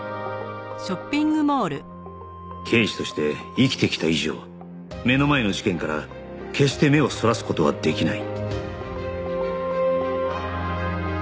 刑事として生きてきた以上目の前の事件から決して目をそらす事はできない